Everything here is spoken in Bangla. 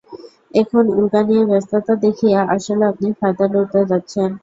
এখন উল্কা নিয়ে ব্যস্ততা দেখিয়ে আসলে আপনি ফায়দা লুটতে চাচ্ছেন?